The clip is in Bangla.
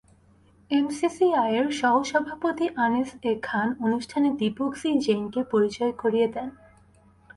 এমসিসিআইয়ের সহসভাপতি আনিস এ খান অনুষ্ঠানে দীপক সি জেইনকে পরিচয় করিয়ে দেন।